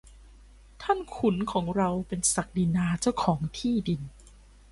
ท่านขุนของเราเป็นศักดินาเจ้าของที่ดิน